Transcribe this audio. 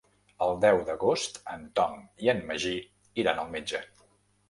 El deu d'agost en Tom i en Magí iran al metge.